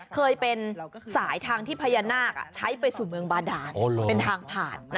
เคยเป็นสายทางที่พญานาคใช้ไปสู่เมืองบาดานเป็นทางผ่าน